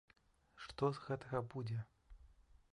Што з гэтага будзе?